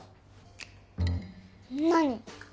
何？